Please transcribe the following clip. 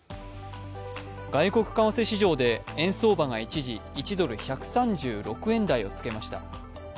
外国為替市場で円相場が一時、１ドル＝１３６円台をつけました。